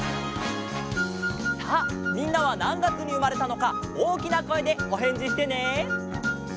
さあみんなはなんがつにうまれたのかおおきなこえでおへんじしてね。